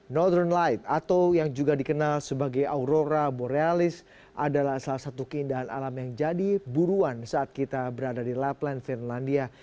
nothron light atau yang juga dikenal sebagai aurora borealis adalah salah satu keindahan alam yang jadi buruan saat kita berada di lapland finlandia